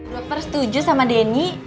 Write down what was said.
dokter setuju sama denny